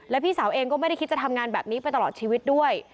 แล้วพี่สาวเองก็ไม่ได้คิดจะทำงานแบบนี้ไปตลอดชีวิตด้วย